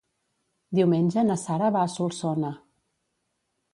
Diumenge na Sara va a Solsona.